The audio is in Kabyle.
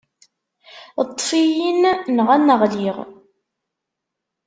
Ṭṭef-iyi-n, neɣ ad n-ɣliɣ.